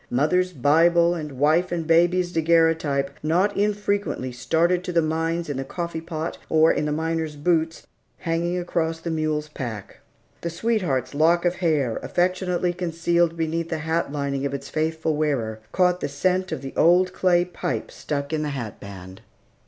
Mother's Bible, and wife and baby's daguerreotype not infrequently started to the mines in the coffee pot, or in the miner's boots, hanging across the mule's pack. The sweetheart's lock of hair, affectionately concealed beneath the hat lining of its faithful wearer, caught the scent of the old clay pipe stuck in the hat band.